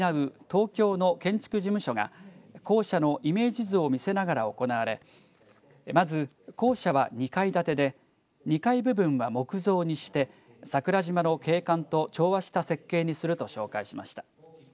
東京の建築事務所が校舎のイメージ図を見せながら行われまず校舎は２階建てで２階部分は木造にして桜島の景観と調和した設計にすると紹介しました。